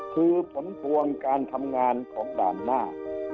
คือผลพวงการทำงานของด่านหน้า